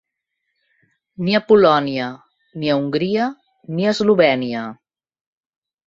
Ni a Polònia, ni a Hongria, ni a Eslovènia.